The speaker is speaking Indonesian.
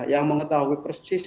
yang mengetahui persis